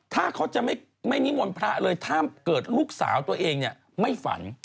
ถ้าเขาจะไม่นิมนต์พระเลยถ้าเกิดลูกสาวตัวเองเนี่ยไม่ฝัน